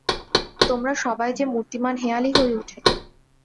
তোমরা সবাই যে মূর্তিমান হেঁয়ালি হইয়া উঠিলে।